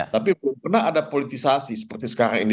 tapi belum pernah ada politisasi seperti sekarang ini